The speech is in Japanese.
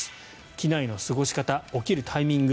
機内の過ごし方起きるタイミング